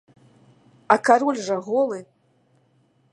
А кароль жа голы!